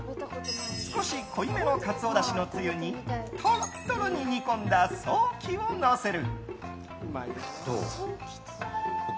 少し濃いめのカツオだしのつゆにトロトロに煮込んだソーキをのせる。